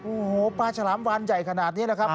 โอ้โหปลาฉลามวานใหญ่ขนาดนี้นะครับ